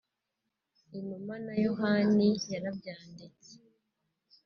Inuma Na Yohani Yarabyanditse